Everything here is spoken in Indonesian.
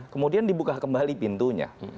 kemudian dibuka kembali pintunya